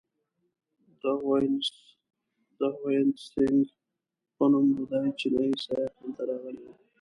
د هیونتسینګ په نوم بودایي چینایي سیاح دلته راغلی و.